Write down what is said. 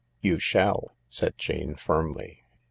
"You shall," said Jane firmly.